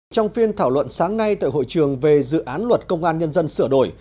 trong phiên thảo luận sáng nay tại hội trường về dự án luật công an nhân dân sửa đổi